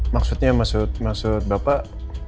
maksudnya maksud bapak